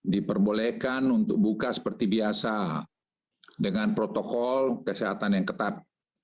diperbolehkan untuk buka seperti biasa dengan protokol kesehatan yang ketat